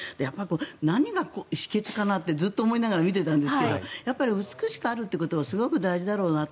何が秘けつかなってずっと思いながら見ていたんですがやっぱり、美しくあることはすごく大事だろうなと。